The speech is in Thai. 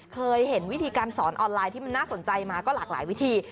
เคยเห็นวิธีการสอนออนไลน์ที่มันน่าสนใจมาก็หลากหลายวิธี